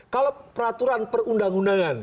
kalau peraturan perundang undangan